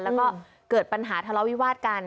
แล้วก็เกิดปัญหาทะเลาวิวาสกัน